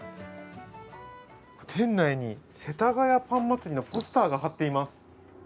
店内に世田谷パン祭りのポスターが貼ってあります。